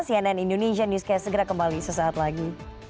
cnn indonesia newscast segera kembali sesaat lagi